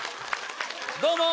どうも。